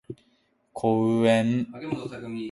公園